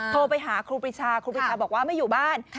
โทรไปหาครูปรีชาครูปีชาบอกว่าไม่อยู่บ้าน